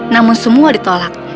namun semua ditolak